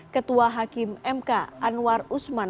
ketua hakim mk anwar usman